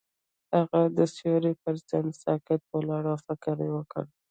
هغه د ستوري پر څنډه ساکت ولاړ او فکر وکړ.